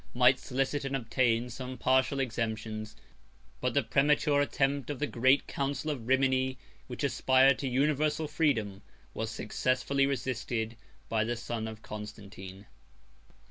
might solicit and obtain some partial exemptions; but the premature attempt of the great council of Rimini, which aspired to universal freedom, was successfully resisted by the son of Constantine.